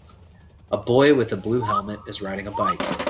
a boy with a blue helmet is riding a bike